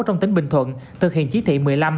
trong tỉnh bình thuận thực hiện chỉ thị một mươi năm